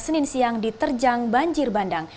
senin siang diterjang banjir bandang